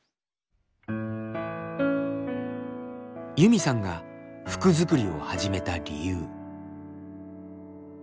ユミさんが服作りを始めた理由。